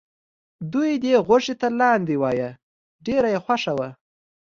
دوی دې غوښې ته لاندی وایه ډېره یې خوښه وه.